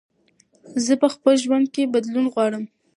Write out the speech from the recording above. زه په خپل ژوند کې بدلون غواړم.